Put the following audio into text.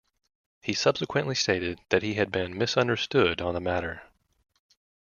He subsequently stated that he had been misunderstood on the matter.